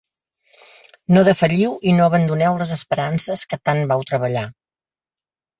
No defalliu i no abandoneu les esperances que tant vau treballar.